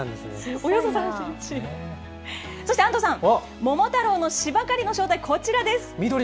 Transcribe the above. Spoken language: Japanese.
そして安藤さん、桃太郎のしば刈りの正体はこちらです。